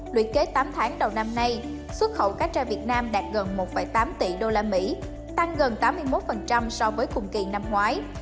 luyện kế tám tháng đầu năm nay xuất khẩu cá tra việt nam đạt gần một tám tỷ usd tăng gần tám mươi một so với cùng kỳ năm ngoái